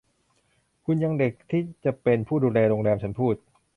คุณยังเด็กที่จะเป็นผู้ดูแลโรงแรม ฉันพูด